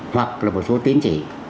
hoặc là một số tín chỉ